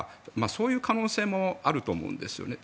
そういう可能性もあると思うんですよね。